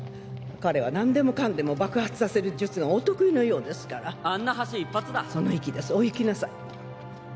彼は何でもかんでも爆発させる術がお得意のようですからあんな橋一発だその意気ですお行きなさい